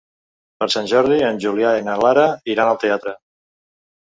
Per Sant Jordi en Julià i na Lara iran al teatre.